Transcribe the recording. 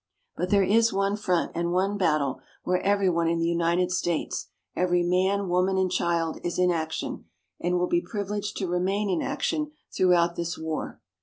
But there is one front and one battle where everyone in the United States every man, woman, and child is in action, and will be privileged to remain in action throughout this war.